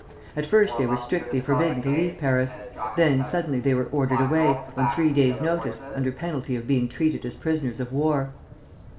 At first they were strictly forbidden to leave Paris; then suddenly they were ordered away, on three days' notice, under penalty of being treated as prisoners of war.